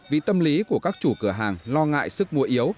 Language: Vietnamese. vì tâm lý của các chủ cửa hàng lo ngại sức mua yếu